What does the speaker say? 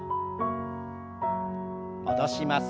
戻します。